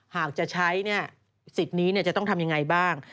หากจะใช้สิทธิ์นี้จะต้องทำยังไงบ้าง